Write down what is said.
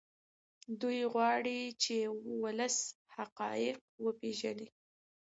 دی غواړي چې ولس حقایق وپیژني.